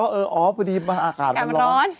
ไอ้ที่มาโรงงานอากาศอร่อน